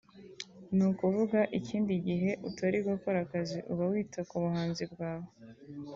ni ukuvuga ikindi gihe utari gukora akazi uba wita ku buhanzi bwawe